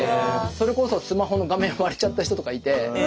それこそスマホの画面割れちゃった人とかいて。